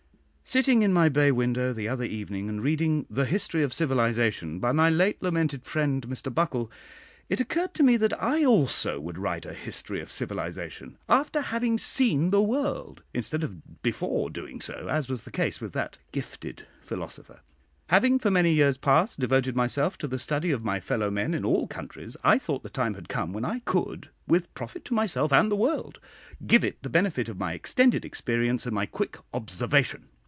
Sitting in my bay window the other evening, and reading the 'History of Civilisation,' by my late lamented friend Mr Buckle, it occurred to me that I also would write a history of civilisation after having seen the world, instead of before doing so, as was the case with that gifted philosopher. Having for many years past devoted myself to the study of my fellow men in all countries, I thought the time had come when I could, with profit to myself and the world, give it the benefit of my extended experience and my quick observation.